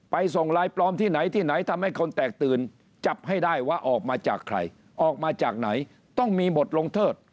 ส่งไลน์ปลอมที่ไหนที่ไหนทำให้คนแตกตื่นจับให้ได้ว่าออกมาจากใครออกมาจากไหนต้องมีบทลงโทษ